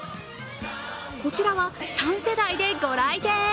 こちらは３世代でご来店。